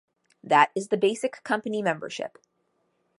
That is the basic company membership.